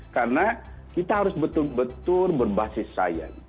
karena kita harus betul betul berbasis sains